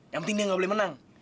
yang penting dia nggak boleh menang